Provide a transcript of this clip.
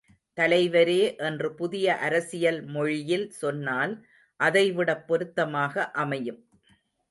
தலைவரே என்று புதிய அரசியல் மொழியில் சொன்னால் அதைவிடப் பொருத்தமாக அமையும்.